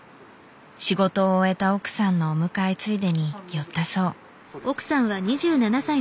仕事を終えた奥さんのお迎えついでに寄ったそう。